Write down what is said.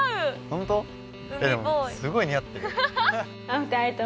でもすごい似合ってるよ。